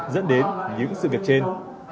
dẫn đến những sự việc trên